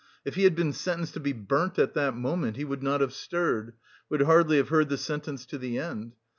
If he had been sentenced to be burnt at that moment, he would not have stirred, would hardly have heard the sentence to the end.